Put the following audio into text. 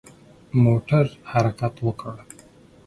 موټر حرکت وکړ.